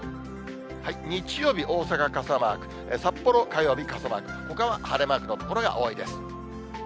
日曜日、大阪傘マーク、札幌火曜日傘マーク、ほかは晴れマークの所が多いです。